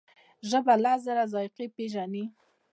ژبه لس زره ذایقې پېژني.